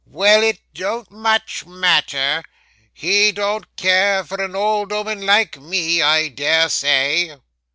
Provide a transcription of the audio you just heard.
'Well, it don't much matter. He don't care for an old 'ooman like me, I dare say.